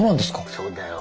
そうだよ。